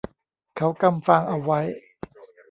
เขากำฟางเอาไว้